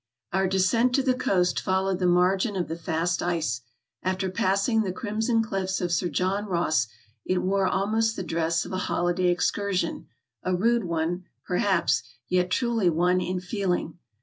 " Our descent to the coast followed the margin of the fast ice. After passing the Crimson Cliffs of Sir John Ross it wore almost the dress of a holiday excursion — a rude one, perhaps, yet truly one in feeling.